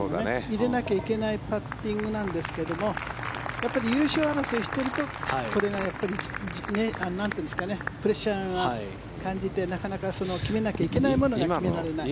入れなきゃいけないパッティングなんですけどもやっぱり優勝争いをしているとプレッシャーを感じてなかなか、決めなければいけないものが決められない。